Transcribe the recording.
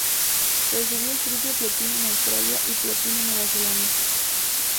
Recibió el triple platino en Australia y platino en Nueva Zelanda.